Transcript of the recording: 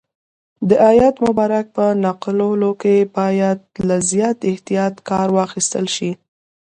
د آیت مبارک په نقلولو کې باید له زیات احتیاط کار واخیستل شي.